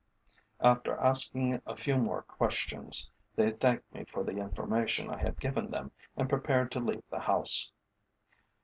After asking a few more questions, they thanked me for the information I had given them and prepared to leave the house.